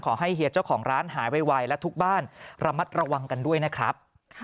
เฮียเจ้าของร้านหายไวและทุกบ้านระมัดระวังกันด้วยนะครับ